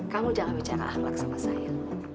kamu jangan bicara ahlak sama saya